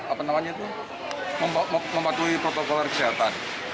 apa namanya itu mematuhi protokol kesehatan